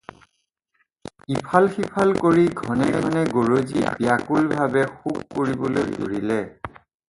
ইফাল সিফাল কৰি ঘনে ঘনে গৰজি ব্যাকুল ভাবে শোক কৰিবলৈ ধৰিলে।